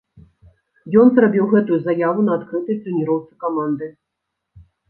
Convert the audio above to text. Ён зрабіў гэтую заяву на адкрытай трэніроўцы каманды.